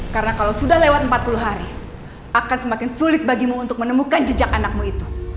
karena kalau sudah lewat empat puluh hari akan semakin sulit bagimu untuk menemukan jejak anakmu itu